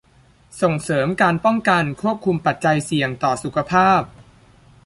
ส่งเสริมการป้องกันควบคุมปัจจัยเสี่ยงต่อสุขภาพ